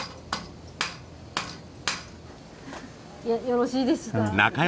よろしいですか？